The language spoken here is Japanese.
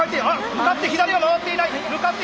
向かって左が回っていない！